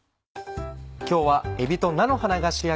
今日はえびと菜の花が主役。